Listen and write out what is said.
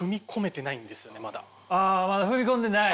あまだ踏み込んでない？